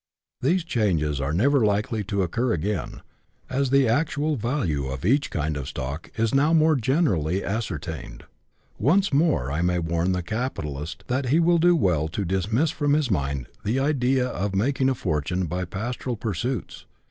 These changes are never likely to occur again, as the actual value of each kind of stock is now more generally ascertained. Once more I may warn the capitalist that he will do well to dismiss from his mind the idea of making a fortune by pastoral pursuits.